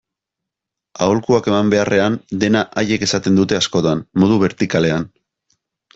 Aholkuak eman beharrean, dena haiek esaten dute askotan, modu bertikalean.